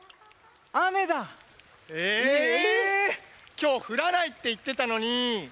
きょうふらないっていってたのに！